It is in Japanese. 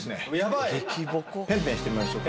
ペンペンしてみましょう。